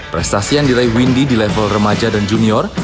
prestasi yang diraih windy di level remaja dan junior